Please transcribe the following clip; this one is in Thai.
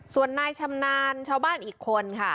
ส่วนนายชำนาญชาวบ้านอีกคนค่ะ